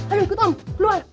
ayo ikut om keluar